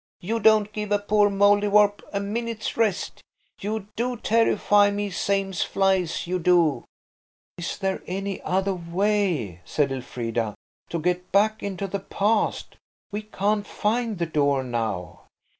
You don't give a poor Mouldiwarp a minute's rest. You do terrify me same's flies, you do." "Is there any other way," said Elfrida, "to get back into the past? We can't find the door now."